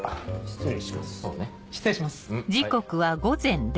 失礼します。